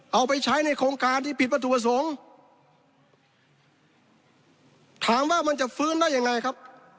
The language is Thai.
เอาไปใช้ในโครงการที่ผิดวัตถุประสงค์ถามว่ามันจะฟื้นได้ยังไงครับ